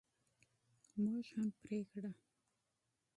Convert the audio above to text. موږ هم غوڅ کړل.